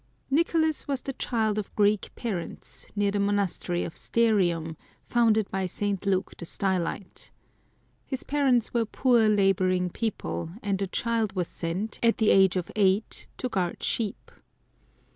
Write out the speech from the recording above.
^ Nicolas was the child of Greek parents, near the monastery of Sterium, founded by St. Luke the Stylite. His parents were poor labouring people, and the child was sent, at the age of eight, to guard sheep.